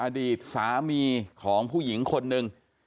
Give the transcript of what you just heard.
อดีตสามีของผู้หญิงคนหนึ่ง